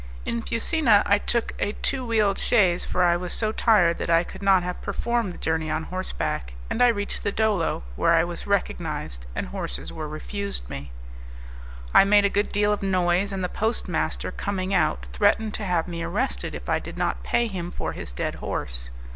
In Fusina I took a two wheeled chaise, for I was so tired that I could not have performed the journey on horseback, and I reached the Dolo, where I was recognized and horses were refused me. I made a good deal of noise, and the post master, coming out, threatened to have me arrested if I did not pay him for his dead horse.